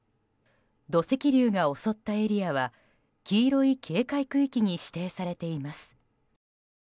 土石流が襲ったエリアは黄色い警戒区域に指定されています。